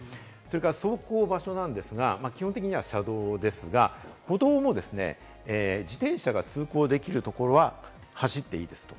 走行場所なんですが、基本的には車道ですが歩道も、自転車が通行できるところは走っていいですと。